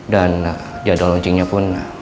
dan jadwal loncingnya pun